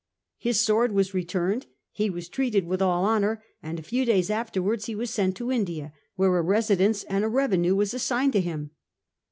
His sword was returned ; he was treated with all honour ; and a few days afterwards he was sent to India, where a residence and a revenue were assigned to him.